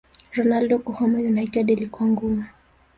Ronaldo kuhama united ilikuwa ngumu